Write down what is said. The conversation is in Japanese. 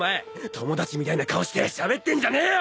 友達みたいな顔してしゃべってんじゃねえよ！